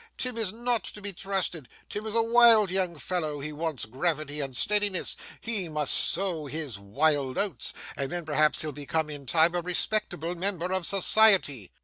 Tim is not to be trusted. Tim is a wild young fellow. He wants gravity and steadiness; he must sow his wild oats, and then perhaps he'll become in time a respectable member of society.